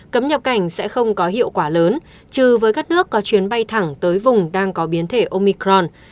cấm nhập cảnh sẽ không có hiệu quả lớn trừ với các nước có chuyến bay thẳng tới vùng đang có biến thể omicron